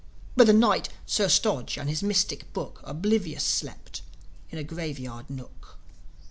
But the Knight, Sir Stodge, and his mystic Book Oblivious slept in a grave yard nook.